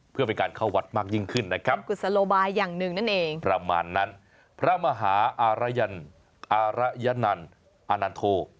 เพื่อเป็นการเข้าวัดมากยิ่งขึ้นนะครับประมาณนั้นพระมหาอารยนร์อาระยะนันต์อานานโท